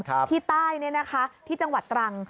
ที่ใต้เนี่ยนะคะที่จังหวัดตรัง